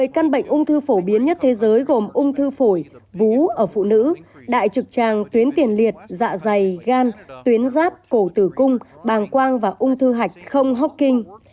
một mươi căn bệnh ung thư phổ biến nhất thế giới gồm ung thư phổi vú ở phụ nữ đại trực tràng tuyến tiền liệt dạ dày gan tuyến ráp cổ tử cung bàng quang và ung thư hạch không hocking